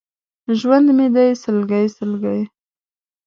ژوند مې دی سلګۍ، سلګۍ!